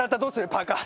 パーカー。